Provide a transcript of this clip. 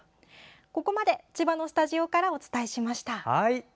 ここまで、千葉のスタジオからお伝えしました。